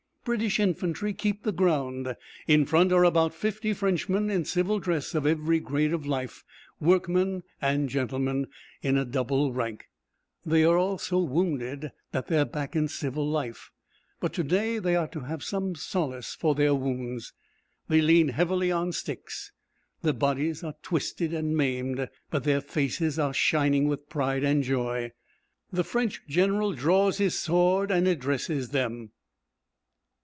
British infantry keep the ground. In front are about fifty Frenchmen in civil dress of every grade of life, workmen and gentlemen, in a double rank. They are all so wounded that they are back in civil life, but to day they are to have some solace for their wounds. They lean heavily on sticks, their bodies are twisted and maimed, but their faces are shining with pride and joy. The French General draws his sword and addresses them.